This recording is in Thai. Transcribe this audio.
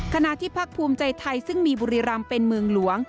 ขณะที่พักภูมิใจไทยซึ่งมีบุรีรำเป็นเมืองหลวง